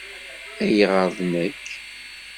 Ayɣeṛ d nekk?